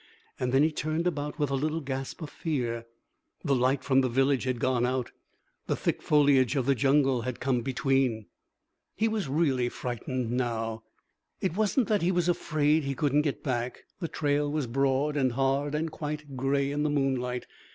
And then he turned about with a little gasp of fear. The light from the village had gone out. The thick foliage of the jungle had come between. He was really frightened now. It wasn't that he was afraid he couldn't get back. The trail was broad and hard and quite gray in the moonlight.